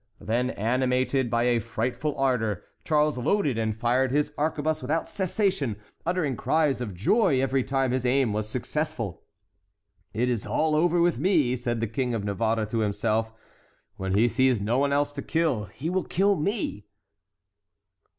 Then, animated by a frightful ardor, Charles loaded and fired his arquebuse without cessation, uttering cries of joy every time his aim was successful. "It is all over with me!" said the King of Navarre to himself; "when he sees no one else to kill, he will kill me!"